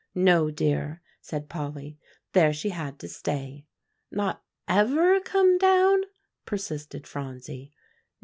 "No, dear," said Polly; "there she had to stay." "Not ever come down?" persisted Phronsie.